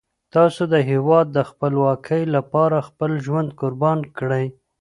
تاسو د هیواد د خپلواکۍ لپاره خپل ژوند قربان کړئ.